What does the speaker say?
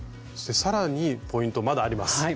そして更にポイントまだあります。